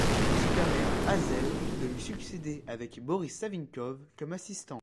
Ceci permet à Azév de lui succéder, avec Boris Savinkov comme assistant.